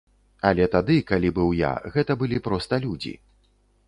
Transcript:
Але тады, калі быў я, гэта былі проста людзі.